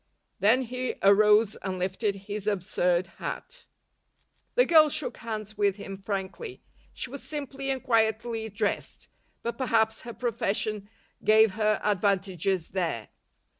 Then he arose and lifted his absurd hat. The girl shook hands with him frankly. She was simply and quietly dressed, but perhaps her profession gave her advantages there.